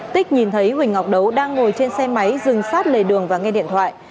tích nhìn thấy huỳnh ngọc đấu đang ngồi trên xe máy dừng sát lề đường và nghe điện thoại